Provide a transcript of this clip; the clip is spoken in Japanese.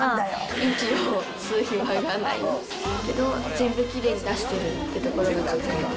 息を吸う暇がないけど、全部きれいに出せてるっていうところがかっこいい。